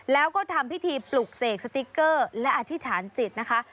แล้วก็ทำพิธีปลุกเสกสติ๊กเกอร์และอธิษฐานจิตนะคะ